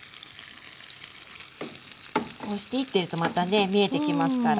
こうしていってるとまたね見えてきますから。